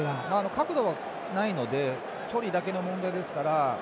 角度がないので距離だけの問題ですから。